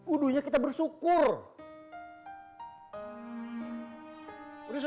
uduhnya kita bersukanya